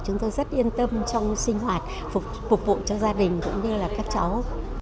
chúng tôi rất yên tâm trong sinh hoạt phục vụ cho gia đình cũng như là các cháu